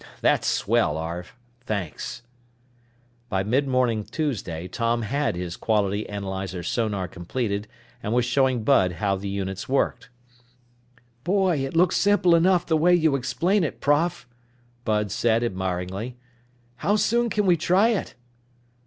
"That's swell, Arv! Thanks!" By midmorning Tuesday, Tom had his quality analyzer sonar completed and was showing Bud how the units worked. "Boy, it looks simple enough the way you explain it, prof!" Bud said admiringly. "How soon can we try it?"